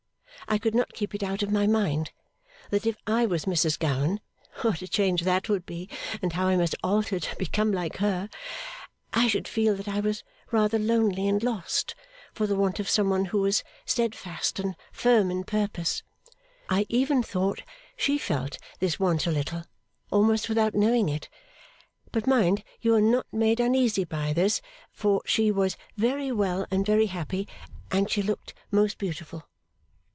I could not keep it out of my mind that if I was Mrs Gowan (what a change that would be, and how I must alter to become like her!) I should feel that I was rather lonely and lost, for the want of some one who was steadfast and firm in purpose. I even thought she felt this want a little, almost without knowing it. But mind you are not made uneasy by this, for she was 'very well and very happy.' And she looked most beautiful.